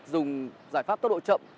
dùng giải pháp tốc độ chậm